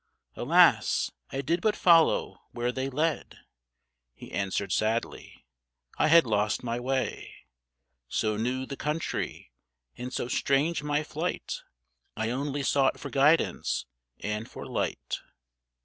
"Alas! I did but follow where they led," He answered sadly: "I had lost my way— So new the country, and so strange my flight; I only sought for guidance and for light."